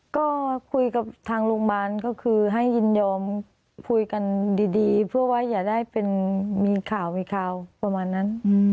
ก็คุยกับทางโรงพยาบาลก็คือให้ยินยอมคุยกันดีเพื่อว่าอย่าได้เป็นมีข่าวมีข่าวประมาณนั้น